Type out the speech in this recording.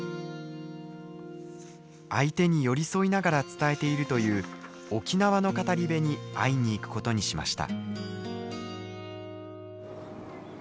相手に寄り添いながら伝えているという沖縄の語り部に会いに行くことにしました。